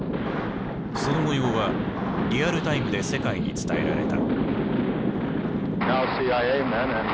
その模様はリアルタイムで世界に伝えられた。